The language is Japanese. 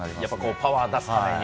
パワー出すために。